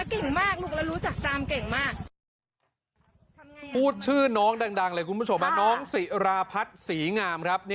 อร์ทำลิฬณาเก่งมากลูกละรู้จักจามเก่งมาก